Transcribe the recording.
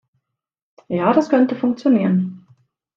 Ja, das könnte funktionieren.